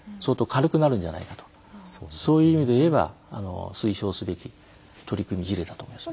そういう意味でいえば推奨すべき取り組み事例だと思います。